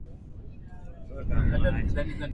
ushiriki wa bahati mbaya kati ya Marekani na Urusi